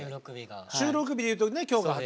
収録日で言うとね今日が初。